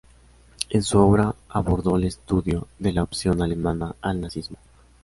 En su obra abordó el estudio de la oposición alemana al nazismo.